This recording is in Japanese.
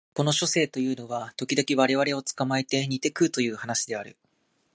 この書生というのは時々我々を捕えて煮て食うという話である